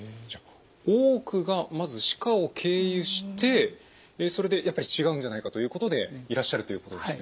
多くがまず歯科を経由してそれでやっぱり違うんじゃないかということでいらっしゃるということですね。